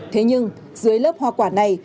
thế nhưng dưới lớp hoa quả này